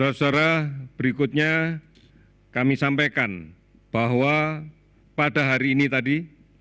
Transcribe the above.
saudara saudara berikutnya kami sampaikan bahwa pada hari ini tadi